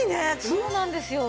そうなんですよ。